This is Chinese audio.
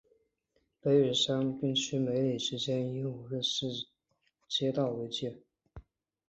北与杉并区梅里之间以五日市街道为界。